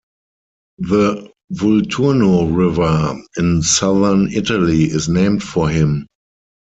The Volturno River, in southern Italy, is named for him.